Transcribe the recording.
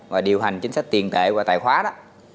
và điều hành chính sách tiền tệ và tài khoá đó